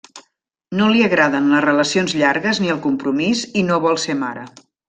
No li agraden les relacions llargues ni el compromís i no vol ser mare.